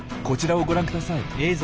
こちらをご覧ください。